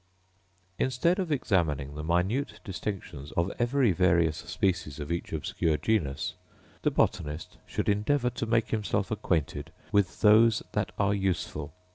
Instead of examining the minute distinctions of every various species of each obscure genus, the botanist should endeavour to make himself acquainted with those that are useful.